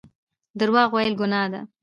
درواغ ویل ګناه ده